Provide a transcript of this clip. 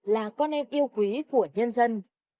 là con em yêu quý của nhân dân